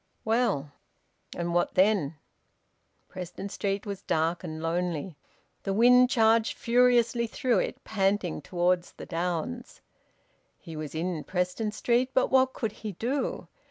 Well, and what then? Preston Street was dark and lonely. The wind charged furiously through it, panting towards the downs. He was in Preston Street, but what could he do?